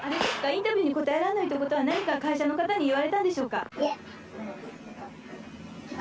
インタビューに答えられないということは、何か会社の方に言われたんでしょうか？